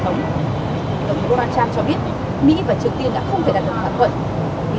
tổng thống donald trump cho biết mỹ và triều tiên đã không thể đạt được thỏa thuận